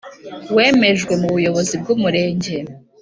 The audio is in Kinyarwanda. wemejwe nu buyobozi bwu murenge